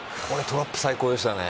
トラップ最高でしたね。